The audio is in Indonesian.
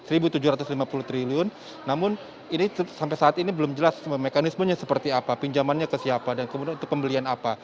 rp satu tujuh ratus lima puluh triliun namun ini sampai saat ini belum jelas mekanismenya seperti apa pinjamannya ke siapa dan kemudian untuk pembelian apa